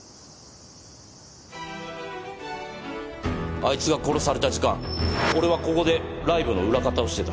あいつが殺された時間俺はここでライブの裏方をしてた